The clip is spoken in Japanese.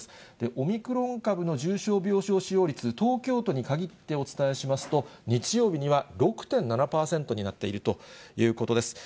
オミクロン株の重症病床使用率、東京都に限ってお伝えしますと、日曜日には６．７％になっているということです。